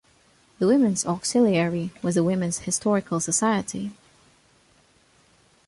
The women's auxiliary was the Women's Historical Society.